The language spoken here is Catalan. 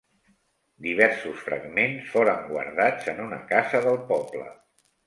Diversos fragments foren guardats en una casa del poble.